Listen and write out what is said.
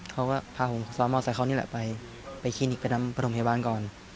เขาก็พาผมซ้อนมาออกใส่เขานี่แหละไปไปคลินิกไปนำโรงพยาบาลก่อน